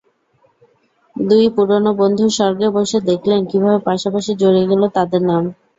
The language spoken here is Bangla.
দুই পুরোনো বন্ধু স্বর্গে বসে দেখলেন, কীভাবে পাশাপাশি জড়িয়ে গেল তাঁদের নাম।